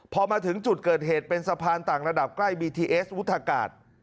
พอมาถึงจุดเกิดเหตุเป็นสะพานต่างระดับใกล้บีทีเอสวุฒากาศ